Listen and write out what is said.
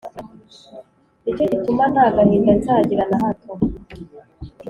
ni cyo gituma nta gahinda nzagira na hato.’